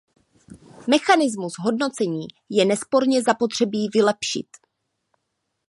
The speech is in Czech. Mechanismus hodnocení je nesporně zapotřebí vylepšit.